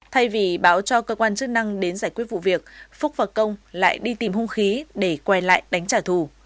thay vì báo cho cơ quan chức năng đến giải quyết vụ việc phúc và công lại đi tìm hung khí để quay lại đánh trả thù